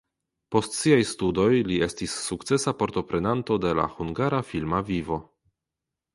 Post siaj studoj li estis sukcesa partoprenanto de la hungara filma vivo.